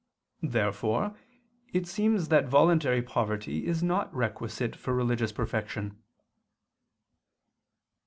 Therefore it seems that voluntary poverty is not requisite for religious perfection.